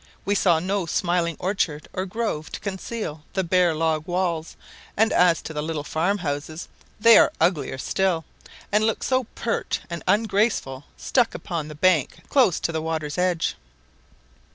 We saw no smiling orchard or grove to conceal the bare log walls; and as to the little farm houses, they are uglier still, and look so pert and ungraceful stuck upon the bank close to the water's edge.